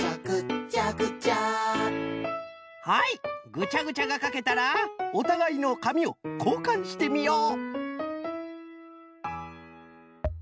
ぐちゃぐちゃがかけたらおたがいのかみをこうかんしてみよう。